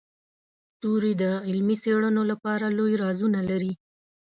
ستوري د علمي څیړنو لپاره لوی رازونه لري.